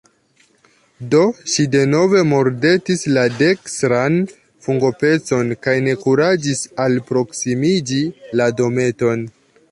Do ŝi denove mordetis la dekstran fungopecon, kaj ne kuraĝis alproksimiĝi la dometon.